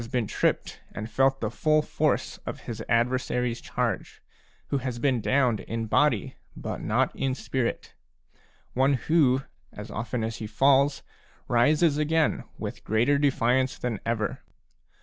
been tripped and felt the full force of his adversary's charge, who has been downed in body but not in spirit, one who, as often as he falls, rises again with greater defiance than ever.